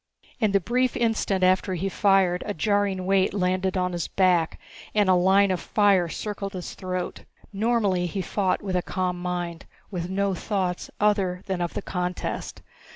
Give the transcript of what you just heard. In the brief instant after he fired, a jarring weight landed on his back and a line of fire circled his throat. Normally he fought with a calm mind, with no thoughts other than of the contest.